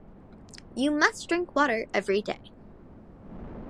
You must drink water everyday.